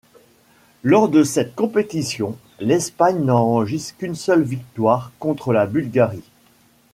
Lors de cette compétition, l'Espagne n'enregistre qu'une seule victoire, contre la Bulgarie.